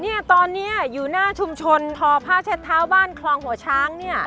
เนี่ยตอนนี้อยู่หน้าชุมชนทอผ้าเช็ดเท้าบ้านคลองหัวช้างเนี่ย